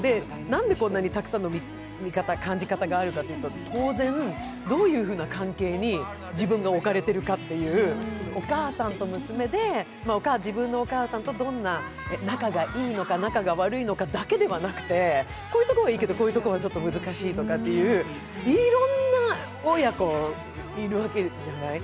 なんでこんなにたくさんの見方、感じ方があるかというと当然、どういうふうな関係に自分が置かれているかというお母さんと娘で、自分のお母さんと仲がいいのか、仲が悪いのかだけではなくて、こういうとこはいいけど、こういうとこはちょっと難しいとかいろんな親子がいるわけじゃない？